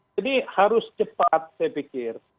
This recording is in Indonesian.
jadi harus cepat saya pikir